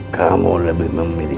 kamu lebih memilih